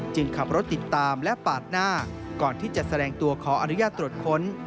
ขับรถติดตามและปาดหน้าก่อนที่จะแสดงตัวขออนุญาตตรวจค้น